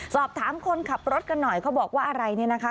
สอบถามคนขับรถกันหน่อยเขาบอกว่าอะไรเนี่ยนะคะ